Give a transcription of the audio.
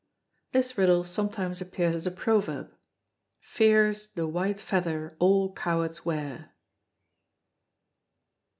This riddle sometimes appears as a proverb. "Fear's the white feather all cowards wear."